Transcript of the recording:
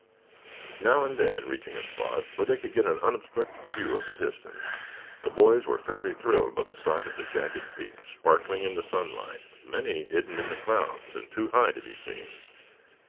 Now and then reaching a spot where they could get an unobstructed view of the distance the boys were fairly thrilled by the sight of the jagged peaks, sparkling in the sunlight, many hidden in the clouds and too high to be seen.